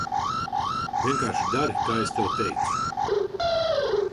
Vienkārši dari, kā es tev teicu.